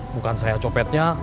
bukan saya copetnya